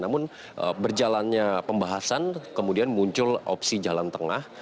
namun berjalannya pembahasan kemudian muncul opsi jalan tengah